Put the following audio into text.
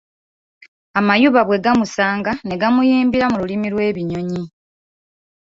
Amayuba bwe gaamusanga ne gamuyimbira mu lulimi lw'ebinyonyi.